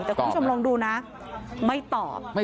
แต่คุณผู้ชมลองดูนะไม่ตอบ